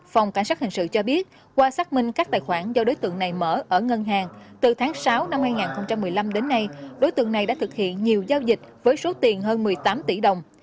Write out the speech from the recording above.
phòng cảnh sát hình sự cho biết qua xác minh các tài khoản do đối tượng này mở ở ngân hàng từ tháng sáu năm hai nghìn một mươi năm đến nay đối tượng này đã thực hiện nhiều giao dịch với số tiền hơn một mươi tám tỷ đồng